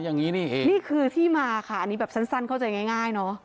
นี่คือที่มาค่ะอันนี้แบบสั้นเข้าใจง่ายเนอะ